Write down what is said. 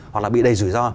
hoặc là bị đầy rủi ro